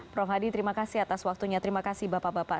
prof hadi terima kasih atas waktunya terima kasih bapak bapak